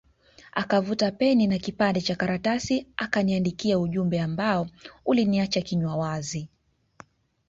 Akavuta peni na kipande Cha karatasi akaniandikia ujumbe ambao uliniacha kinywa wazi